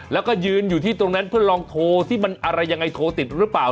แล้วก็ยืนอยู่ที่ตรงนั้นเพื่อลองโทรที่มันอะไรยังไงโทรติดหรือเปล่า